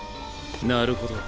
なるほど。